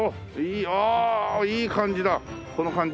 ああいい感じだこの感じ。